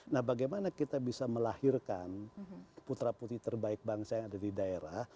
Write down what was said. nah bagaimana kita bisa melahirkan putra putri terbaik bangsa yang ada di daerah